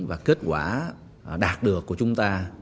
và kết quả đạt được của chúng ta